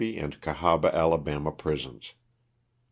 and Oahaba, Ala., prisons.